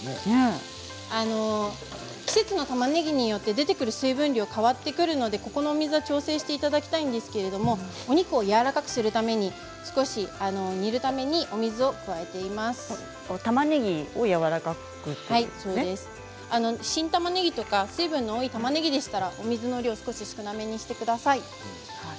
季節のたまねぎによって出てくる水分量が変わってくるのでここの水は調整していただきたいんですがお肉をやわらかくするために少したまねぎをやわらかく新たまねぎや水分の多いたまねぎでしたらお水の量を少し少なめにしてください。